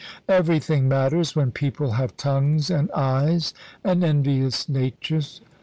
"Everything matters, when people have tongues and eyes, and envious natures.